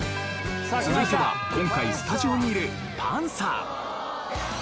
続いては今回スタジオにいるパンサー。